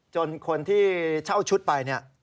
คนที่เช่าชุดไปเนี่ย